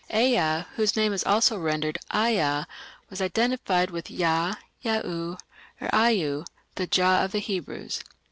Ea, whose name is also rendered Aa, was identified with Ya, Ya'u, or Au, the Jah of the Hebrews.